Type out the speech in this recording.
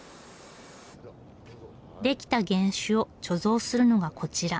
できた原酒を貯蔵するのがこちら。